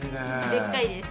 でっかいです。